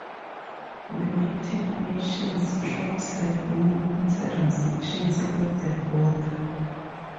United Nations troops have been monitoring sections of the border.